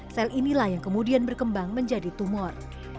sel inilah yang kemudian berkembang menjadi tumor